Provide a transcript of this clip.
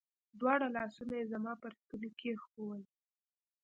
دواړه لاسونه يې زما پر ستوني کښېښوول.